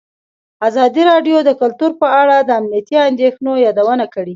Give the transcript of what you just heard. ازادي راډیو د کلتور په اړه د امنیتي اندېښنو یادونه کړې.